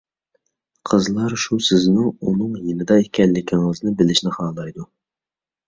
قىزلار شۇ سىزنىڭ ئۇنىڭ يېنىدا ئىكەنلىكىڭىزنى بىلىشنى خالايدۇ.